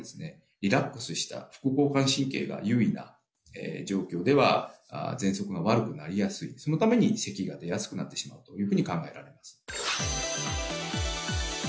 リラックスした副交感神経が優位な状況では喘息が悪くなりやすいそのために咳が出やすくなってしまうというふうに考えられます